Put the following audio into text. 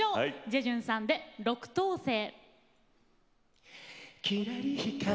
ジェジュンさんで「六等星」。